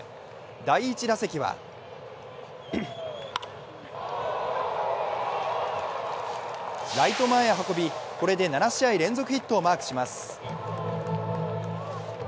第１打席はライト前へ運びでこれで７試合連続ヒットをマークします。